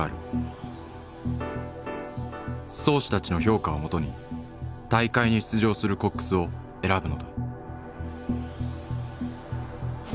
漕手たちの評価をもとに大会に出場するコックスを選ぶのだ。